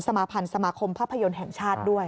มาพันธ์สมาคมภาพยนตร์แห่งชาติด้วย